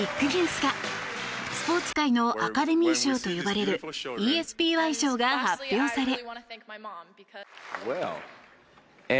スポーツ界のアカデミー賞と呼ばれるＥＳＰＹ賞が発表され。